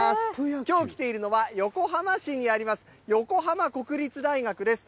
きょう来ているのは横浜市にあります、横浜国立大学です。